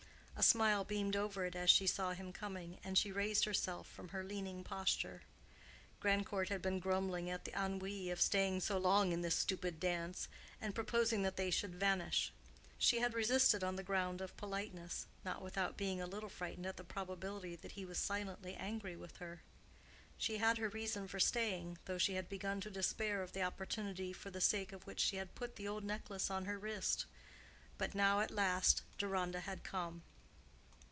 A smile beamed over it as she saw him coming, and she raised herself from her leaning posture. Grandcourt had been grumbling at the ennui of staying so long in this stupid dance, and proposing that they should vanish: she had resisted on the ground of politeness—not without being a little frightened at the probability that he was silently angry with her. She had her reason for staying, though she had begun to despair of the opportunity for the sake of which she had put the old necklace on her wrist. But now at last Deronda had come.